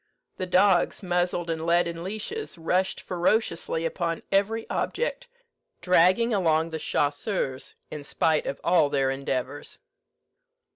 The dogs, muzzled and led in leashes, rushed ferociously upon every object, dragging along the chasseurs in spite of all their endeavours.